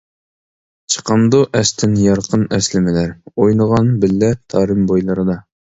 چىقامدۇ ئەستىن يارقىن ئەسلىمىلەر، ئوينىغان بىللە تارىم بويلىرىدا.